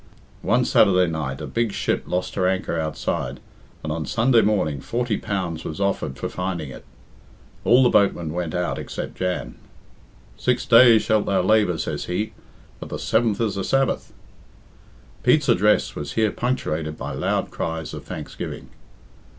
One Saturday night a big ship lost her anchor outside, and on Sunday morning forty pounds was offered for finding it. All the boatmen went out except Jan. 'Six days shalt thou labour,' says he, 'but the seventh is the Sabbath.'" Pete's address was here punctuated by loud cries of thanksgiving.